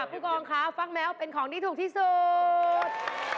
ผู้กองคะฟักแมวเป็นของที่ถูกที่สุด